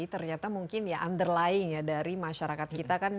ternyata mungkin ya underlying ya dari masyarakat kita kan